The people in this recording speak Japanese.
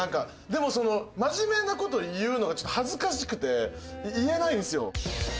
でもその真面目な事を言うのがちょっと恥ずかしくて言えないんですよ。